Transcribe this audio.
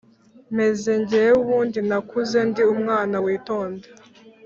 meze jyewe ubundi nakuze ndi umwana witonda